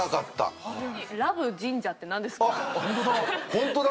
ホントだ。